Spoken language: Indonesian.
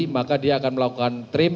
maka dia akan melakukan trip